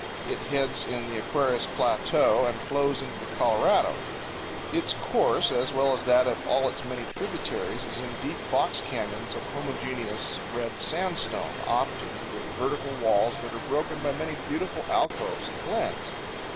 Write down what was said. It heads in the Aquarius Plateau and flows into the Colorado. Its course, as well as that of all its many tributaries, is in deep box canyons of homogeneous red sandstone, often with vertical walls that are broken by many beautiful alcoves and glens.